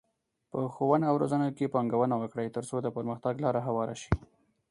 په ښوونه او روزنه کې پانګونه وکړئ، ترڅو د پرمختګ لاره هواره شي.